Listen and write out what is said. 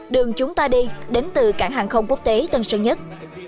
đường chúng ta đi đến từ cảng hàng không quốc tế tân sơn nhất